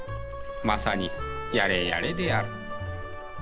まさにやれやれである。